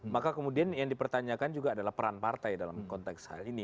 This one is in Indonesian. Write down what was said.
maka kemudian yang dipertanyakan juga adalah peran partai dalam konteks hal ini